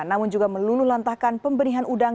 namun juga melululantahkan pemberian udang